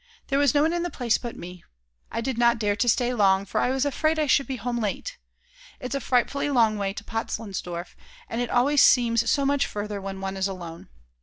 There was no one in the place but me. I did not dare to stay long, for I was afraid I should be home late. It's a frightfully long way to Potzleinsdorf, and it always seems so much further when one is alone.